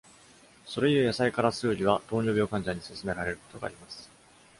それゆえ、ヤサイカラスウリは糖尿病患者に勧められることがあります。